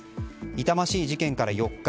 痛ましい事件から４日